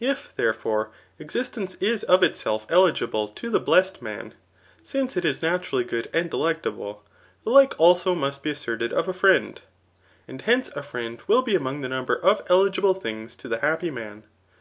I^ therefore, existence is of itself eligible to die bless^ man, since it is naturally 'good tod detectable, the'lflbb also must be asserted of a friend; abd hence a frhcti trill be among the number of eligible* things to the happy man.